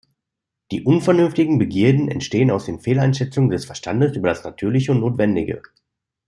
Die „unvernünftigen“ Begierden entstehen aus den Fehleinschätzungen des Verstandes über das Natürliche und Notwendige.